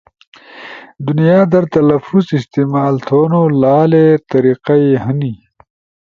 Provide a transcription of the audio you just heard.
دنیا در تلفظ استعمال تھونو لالے طریقہ ئی ہنی،